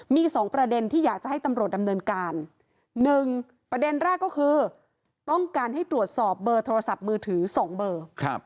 มีสองประเด็นที่อยากจะให้ตำรวจดำเนินการหนึ่งประเด็นแรกก็คือต้องการให้ตรวจสอบเบอร์โทรศัพท์มือถือ๒เบอร์